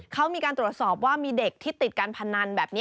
เขามีการตรวจสอบว่ามีเด็กที่ติดการพนันแบบนี้